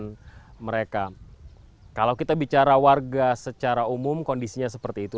dan mereka kalau kita bicara warga secara umum kondisinya seperti itu